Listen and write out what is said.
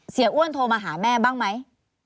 อ้วนโทรมาหาแม่บ้างไหม